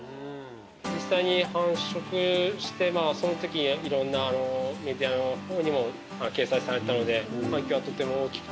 実際に繁殖してそのときいろんなメディアのほうにも掲載されたので反響がとても大きくて。